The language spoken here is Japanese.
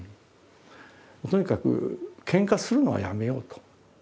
とにかくけんかするのはやめようと。